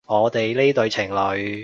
我哋呢對情侣